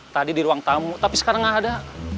tadi di ruang tamu tapi sekarang nggak ada